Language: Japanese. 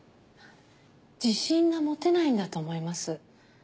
自信が持てないんだと思います。